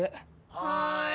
はい。